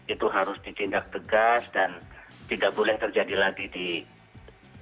itu harus ditindak tegas dan tidak boleh terjadi lagi di indonesia